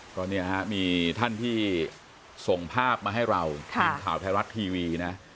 ตอนนี้มีท่านที่ส่งภาพมาให้เราที่คราวไทรรัชทร์ทิวีนะ